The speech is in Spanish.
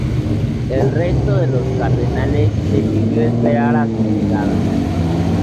El resto de los cardenales decidió esperar a su llegada.